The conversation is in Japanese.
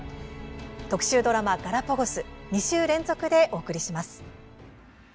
特集ドラマ「ガラパゴス」２週連続でお送りします。